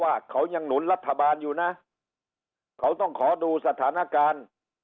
ว่าเขายังหนุนรัฐบาลอยู่นะเขาต้องขอดูสถานการณ์